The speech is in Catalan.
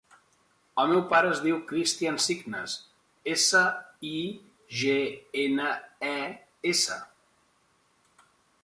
El meu pare es diu Christian Signes: essa, i, ge, ena, e, essa.